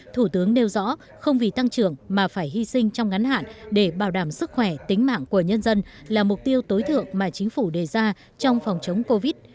thủ tướng nêu rõ không vì tăng trưởng mà phải hy sinh trong ngắn hạn để bảo đảm sức khỏe tính mạng của nhân dân là mục tiêu tối thượng mà chính phủ đề ra trong phòng chống covid